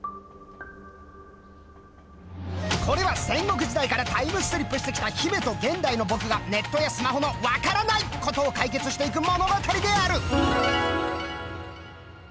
これは戦国時代からタイムスリップしてきた姫と現代のボクがネットやスマホの「わからないっ」ことを解決していく物語である。